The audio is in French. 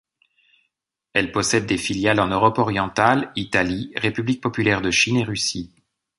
Elle possède des filiales en Europe orientale, Italie, République populaire de Chine et Russie.